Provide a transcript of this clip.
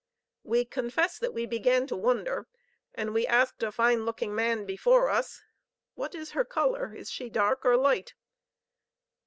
We confess that we began to wonder, and we asked a fine looking man before us, "What is her color? Is she dark or light?"